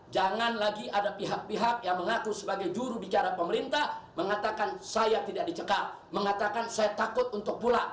jangan lagi ada pihak pihak yang mengaku sebagai jurubicara pemerintah mengatakan saya tidak dicegah mengatakan saya takut untuk pulang